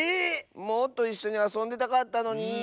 もっといっしょにあそんでたかったのに。